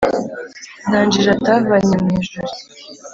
nta njiji atavanye mu ijuri